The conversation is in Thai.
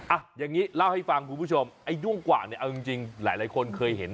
อ่ะอย่างนี้เล่าให้ฟังคุณผู้ชมไอ้ด้วงกว่างเนี่ยเอาจริงหลายคนเคยเห็น